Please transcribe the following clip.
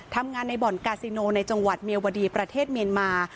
ทำงานในบ่อนกาซิโนในจังหวัดเมียวดีประเทศเมียนมา